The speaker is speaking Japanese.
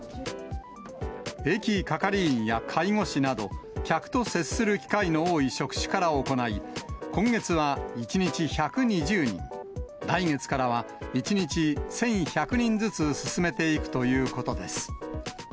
駅係員や介護士など、客と接する機会の多い職種から行い、今月は１日１２０人、来月からは１日１１００人ずつ進めていくということです。